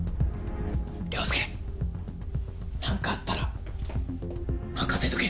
凌介何かあったら任せとけ。